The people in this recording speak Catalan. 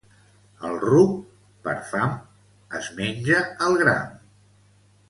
El ruc, per fam, es menja el gram.